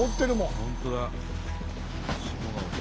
本当だ。